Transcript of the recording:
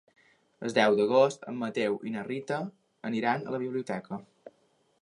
El deu d'agost en Mateu i na Rita iran a la biblioteca.